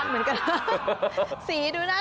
น่าทานเหมือนกันนะ